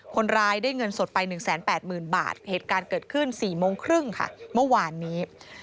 คนร้ายได้เงินสดไป๑๘๐๐๐บาทเหตุการณ์เกิดขึ้น๔โมงครึ่งค่ะเมื่อวานนี้